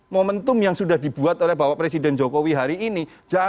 momentum yang sudah dibuat oleh bapak presiden jokowi hari ini